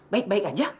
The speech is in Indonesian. baik baik aja